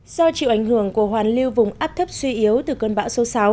do chịu ảnh hưởng của hoàn lưu vùng áp thấp suy yếu từ cơn bão số sáu